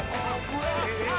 えっ！